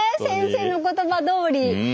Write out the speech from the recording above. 先生の言葉どおり。